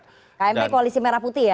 kmp koalisi merah putih ya